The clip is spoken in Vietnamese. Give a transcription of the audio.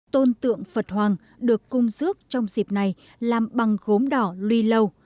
tôn tượng phật hoàng được cung dước trong dịp này làm bằng gốm đỏ lùi lâu